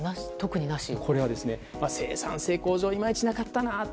これは生産性向上いまいちなかったなと。